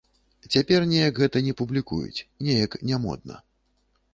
Цяпер неяк гэта не публікуюць, неяк нямодна.